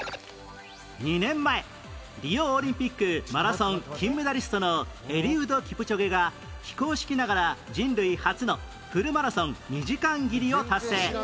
２年前リオオリンピックマラソン金メダリストのエリウド・キプチョゲが非公式ながら人類初のフルマラソン２時間切りを達成